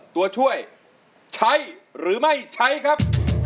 ตัวช่วยใช้หรือไม่ใช้ครับ